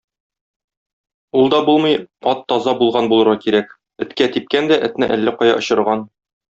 Ул да булмый, ат таза булган булырга кирәк, эткә типкән дә этне әллә кая очырган.